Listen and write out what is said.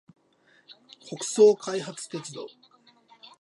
北総開発鉄道